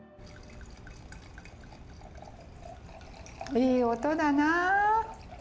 いい音だな。